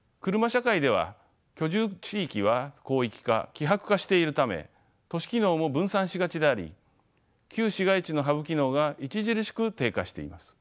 社会では居住地域は広域化希薄化しているため都市機能も分散しがちであり旧市街地のハブ機能が著しく低下しています。